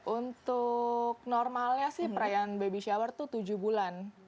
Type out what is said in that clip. untuk normalnya sih perayaan baby shower itu tujuh bulan